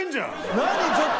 何ちょっと！